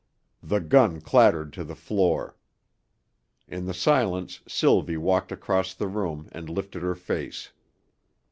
The gun clattered to the floor. In the silence Sylvie walked across the room and lifted her face.